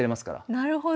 なるほど。